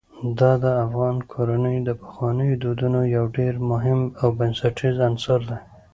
دا د افغان کورنیو د پخوانیو دودونو یو ډېر مهم او بنسټیز عنصر دی.